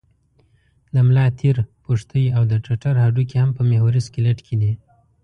د ملا تیر، پښتۍ او د ټټر هډوکي هم په محوري سکلېټ کې دي.